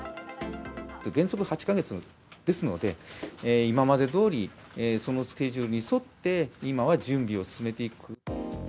原則８か月ですので、今までどおり、そのスケジュールに沿って、今は準備を進めていく。